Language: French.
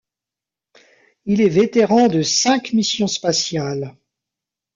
Il est vétéran de cinq missions spatiales.